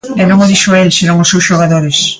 E non o dixo el, senón os seus xogadores.